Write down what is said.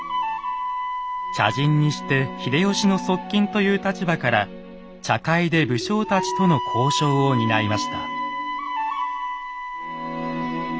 茶人にして秀吉の側近という立場から茶会で武将たちとの交渉を担いました。